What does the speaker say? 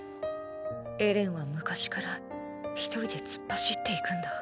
エレンは昔から一人で突っ走って行くんだ。